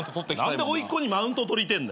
何でおいっ子にマウントとりてえんだよ。